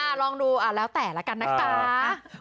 อ่าอ่าลองดูอ่าแล้วแต่ละกันนะคะค่ะ